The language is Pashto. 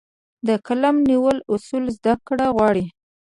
د قلم نیولو اصول زده کړه غواړي.